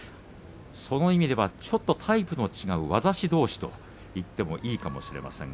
その意味ではちょっとタイプの違う業師どうしの対戦と言えるかもしれません。